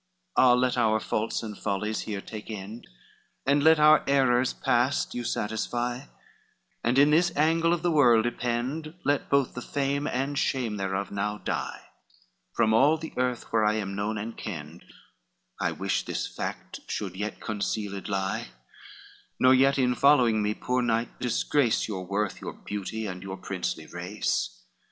LIV "Ah, let our faults and follies here take end, And let our errors past you satisfy, And in this angle of the world ypend, Let both the fame and shame thereof now die, From all the earth where I am known and kenned, I wish this fact should still concealed lie: Nor yet in following me, poor knight, disgrace Your worth, your beauty, and your princely race.